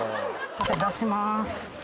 出します